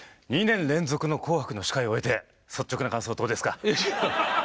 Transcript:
２年連続の「紅白」の司会を終えて率直な感想どうですか？